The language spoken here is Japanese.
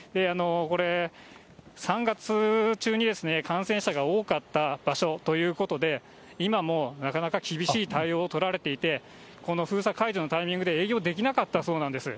これ、３月中に感染者が多かった場所ということで、今もなかなか厳しい対応を取られていて、この封鎖解除のタイミングで営業できなかったそうなんです。